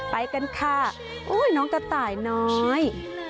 ไปกันค่ะน้องกระต่ายน้อย